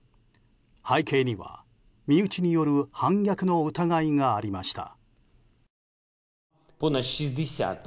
背景には身内による反逆の疑いがありました。